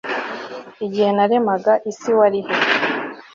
igihe naremaga isi wari he